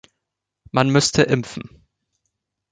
Man müsste impfen.